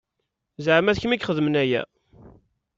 Zeɛma d kemm i ixedmen aya?